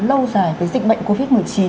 lâu dài với dịch bệnh covid một mươi chín